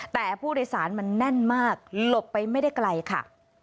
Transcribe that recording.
แต่ผู้โดยสารมันแน่นมากหลบไปไม่ได้ไกลค่ะ